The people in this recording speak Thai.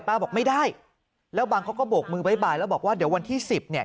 บอกไม่ได้แล้วบางเขาก็โบกมือบ๊ายบายแล้วบอกว่าเดี๋ยววันที่สิบเนี่ย